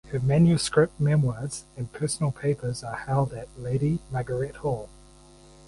Her manuscript memoirs and personal papers are held at Lady Margaret Hall.